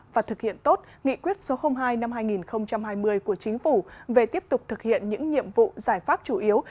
và thực hiện tốt nghị quyết số hai năm hai nghìn hai mươi của chính phủ về tiếp tục thực hiện những nhiệm vụ giải pháp chủ yếu